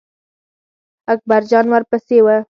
اکبر جان ور پسې و.